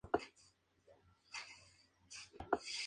La banda viajó a Rumanía para tocar con Vlad.